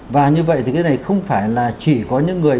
và như vậy thì cái này không phải là chỉ có những người